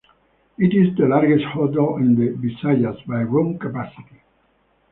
It is the largest hotel in the Visayas by room capacity.